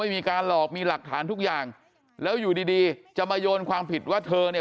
มีการหลอกมีหลักฐานทุกอย่างแล้วอยู่ดีดีจะมาโยนความผิดว่าเธอเนี่ย